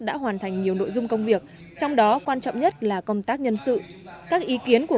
đã hoàn thành nhiều nội dung công việc trong đó quan trọng nhất là công tác nhân sự các ý kiến của